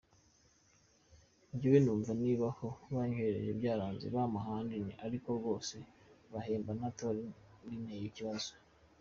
Njyewe numva niba aho banyohereje byaranze bampa ahandi ariko rwose guhembwa ntakora binteye ikibazo”.